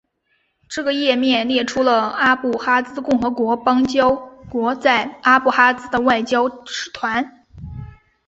这个页面列出了阿布哈兹共和国邦交国在阿布哈兹的外交使团。